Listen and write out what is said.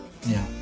いや。